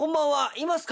いますか？」。